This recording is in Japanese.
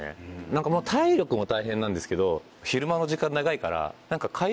何か体力も大変なんですけど昼間の時間長いから。